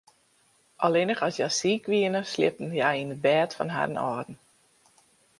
Allinnich as hja siik wiene, sliepten hja yn it bêd fan harren âlden.